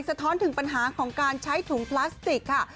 ท้อนถึงปัญหาของการใช้ถุงพลาสติกค่ะ